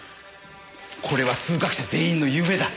これは数学者全員の夢だ。